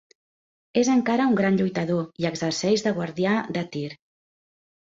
És encara un gran lluitador, i exerceix de guardià de Tyr.